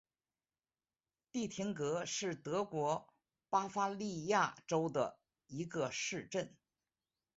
蒂廷格是德国巴伐利亚州的一个市镇。